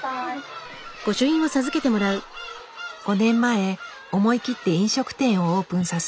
５年前思い切って飲食店をオープンさせ